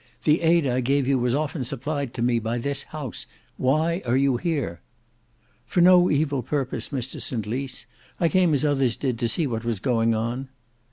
The aid I gave you was often supplied to me by this house. Why are you here?" "For no evil purpose, Mr St Lys. I came as others did, to see what was going on."